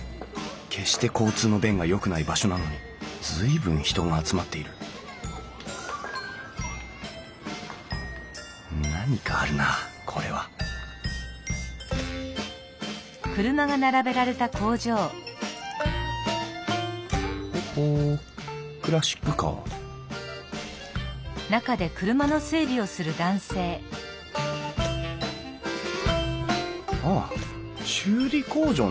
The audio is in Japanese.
決して交通の便がよくない場所なのに随分人が集まっている何かあるなこれはほほクラシックカーああ修理工場なのか。